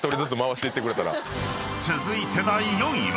［続いて第４位は］